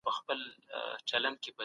د ذمي حق باید ضرور خوندي سي.